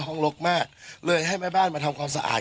ลกมากเลยให้แม่บ้านมาทำความสะอาด